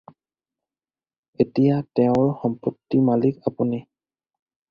এতিয়া তেওঁৰ সম্পত্তিৰ মালিক আপুনি।